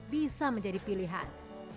bisa menjadi pilihan